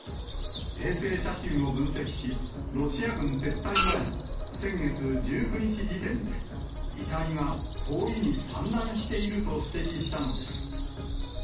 衛星写真を分析し、ロシア軍撤退前の先月１９日時点で、遺体が通りに散乱していると指摘したのです。